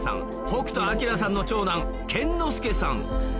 北斗晶さんの長男健之介さん